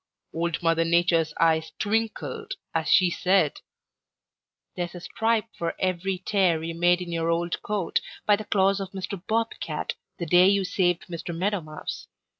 Old Mother Nature's eyes twinkled as she said: "'There's a stripe for every tear made in your old coat by the claws of Mr. Bob Cat the day you saved Mr. Meadow Mouse.